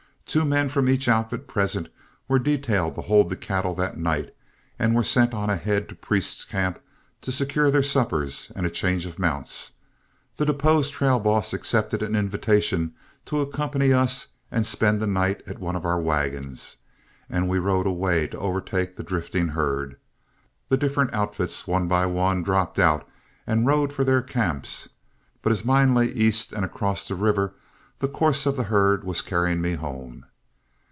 Two men from each outfit present were detailed to hold the cattle that night, and were sent on ahead to Priest's camp to secure their suppers and a change of mounts. The deposed trail boss accepted an invitation to accompany us and spend the night at one of our wagons, and we rode away to overtake the drifting herd. The different outfits one by one dropped out and rode for their camps; but as mine lay east and across the river, the course of the herd was carrying me home.